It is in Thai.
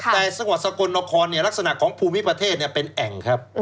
แต่สักวัดสกลนครเนี่ยลักษณะของภูมิประเทศเนี่ยเป็นแอ่งครับ